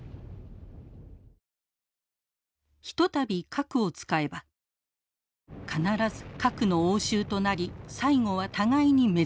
一たび核を使えば必ず核の応酬となり最後は互いに滅亡する。